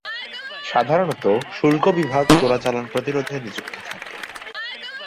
সাধারণত: শুল্ক বিভাগ চোরাচালান প্রতিরোধে নিযুক্ত থাকে।